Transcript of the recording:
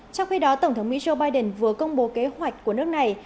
trong khi đó tổng thống mỹ joe biden vừa công bố kế hoạch của nước này